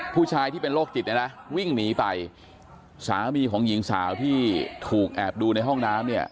ผู้ชายที่เป็นโรคจิตวิ่งหนีไปสามีของหญิงสาวที่ถูกแอบดูในห้องน้ำ